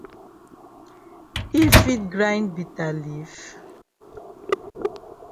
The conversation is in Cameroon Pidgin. Yi fit grind bitter leaf?